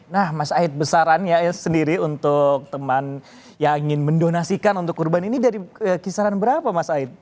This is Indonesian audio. nah mas aid besarannya sendiri untuk teman yang ingin mendonasikan untuk kurban ini dari kisaran berapa mas aid